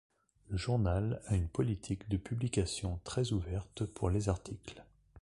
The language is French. Le journal a une politique de publication très ouverte pour les articles.